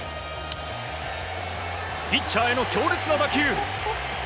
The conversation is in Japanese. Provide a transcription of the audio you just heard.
ピッチャーへの強烈な打球。